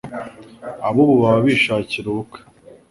abubu baba bishakira ubukwe